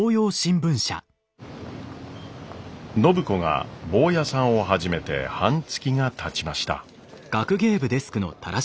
暢子がボーヤさんを始めて半月がたちました。